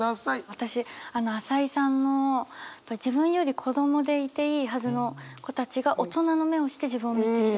私朝井さんの自分より子どもでいていいはずの子たちが大人の目をして自分を見ている。